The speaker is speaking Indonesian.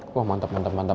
wah mantap mantap mantap